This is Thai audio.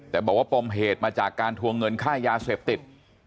แต่บอกว่าปมเหตุมาจากการทวงเงินค่ายาเสพติด